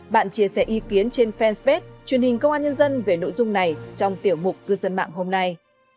bạn chia sẻ ý kiến trên fanpage truyền hình công an nhân dân về nội dung này trong tiểu mục cư dân mạng hôm nay